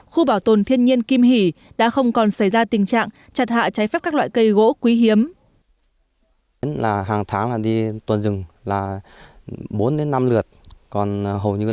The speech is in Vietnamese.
khu bảo tồn thiên nhiên kim hỷ đã không còn tình trạng khai thác khoáng sản